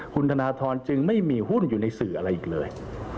คุณธนทรจึงไม่มีหุ้นอยู่ในสื่ออะไรอีกเลย